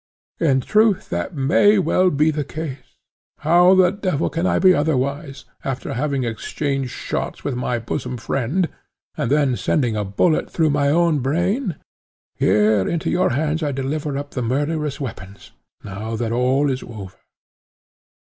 In truth that may well be the case; how the devil can I be otherwise, after having exchanged shots with my bosom friend, and then sending a bullet through my own brain? Here, into your hands I deliver up the murderous weapons, now that all is over."